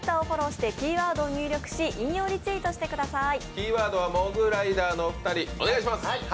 キーワードはモグライダーのお二人、お願いします。